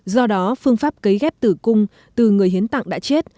do đó phương pháp cấy ghép tử cung từ người hiến tặng đã chết